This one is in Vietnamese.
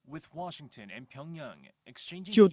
bình nhưỡng tổng thống donald trump